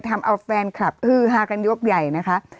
ทำเอาแฟนคลับฮือฮากันยกใหญ่นะคะ